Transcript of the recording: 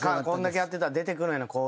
こんだけやってたら出てくるんやね